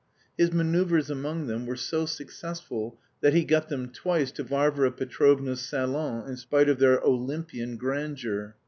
His manoeuvres among them were so successful that he got them twice to Varvara Petrovna's salon in spite of their Olympian grandeur.